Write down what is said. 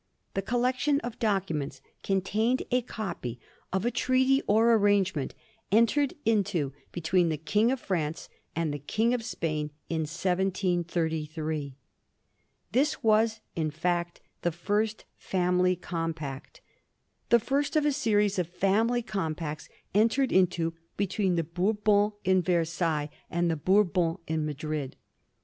The collection of documents contained a copy of a treaty or arrangement entered into between the King of France and the King of Spain in 1733. This was, in fact, the first family compact, the first of a series of family com pacts, entered into between the Bourbons in Versailles and the Bourbons in Madrid.